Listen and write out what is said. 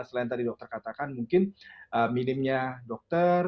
selain tadi dokter katakan mungkin minimnya dokter